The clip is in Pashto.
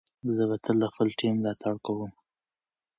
زه به تل د خپل ټیم ملاتړ کوم.